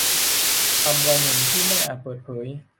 คาวบอยหนุ่มที่ไม่อาจเปิดเผย